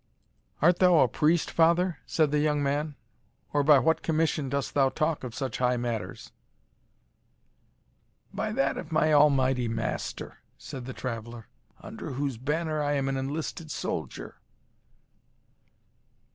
"Art thou a priest, father?" said the young man, "or by what commission dost thou talk of such high matters?" "By that of my Almighty Master," said the traveller, "under whose banner I am an enlisted soldier."